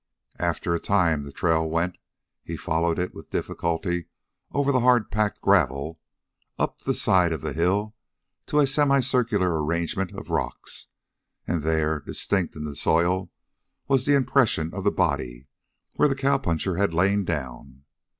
After a time the trail went he followed it with difficulty over the hard packed gravel up the side of the hill to a semicircular arrangement of rocks, and there, distinct in the soil, was the impression of the body, where the cowpuncher had lain down.